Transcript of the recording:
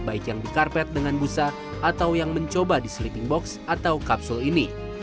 baik yang di karpet dengan busa atau yang mencoba di sleeping box atau kapsul ini